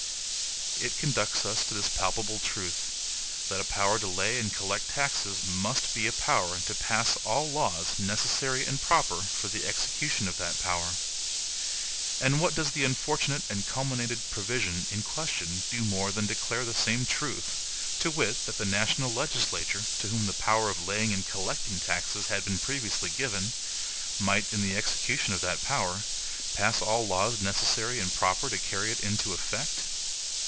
It conducts us to this palpable truth, that a power to lay and collect taxes must be a power to pass all laws NECESSARY and PROPER for the execution of that power; and what does the unfortunate and calumniated provision in question do more than declare the same truth, to wit, that the national legislature, to whom the power of laying and collecting taxes had been previously given, might, in the execution of that power, pass all laws NECESSARY and PROPER to carry it into effect?